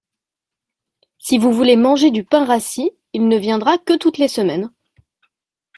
Si vous voulez manger du pain rassis, il ne viendra que toutes les semaines.